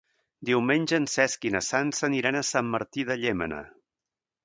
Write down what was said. Diumenge en Cesc i na Sança aniran a Sant Martí de Llémena.